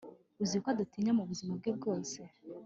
uziko adatinya mu buzima bwe bwose